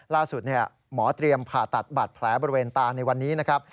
ล่าสุดหมอเตรียมผ่าตัดบัตรแผลบริเวณตาในวันนี้นะครับ